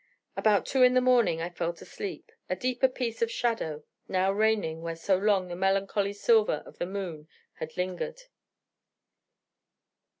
About two in morning I fell to sleep, a deeper peace of shadow now reigning where so long the melancholy silver of the moon had lingered.